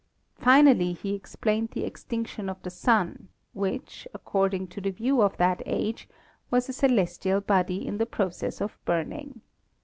Finally he explained the extinction of the Sun, which, according to the view of that age, was a celestial body in the process of burning.